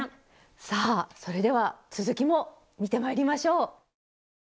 さあそれでは続きも見てまいりましょう！